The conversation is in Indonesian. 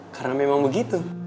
karena memang begitu